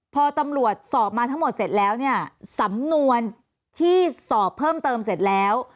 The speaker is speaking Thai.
พอตำรวจสอบมาทั้งหมดเสร็จแล้วเนี่ยสำนวนที่สอบเพิ่มเติมเสร็จแล้ว